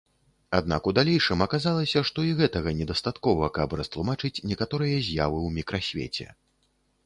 Аднак у далейшым аказалася, што і гэтага недастаткова, каб растлумачыць некаторыя з'явы ў мікрасвеце.